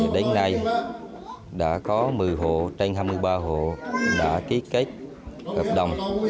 đến nay đã có một mươi hộ trên hai mươi ba hộ đã ký kết hợp đồng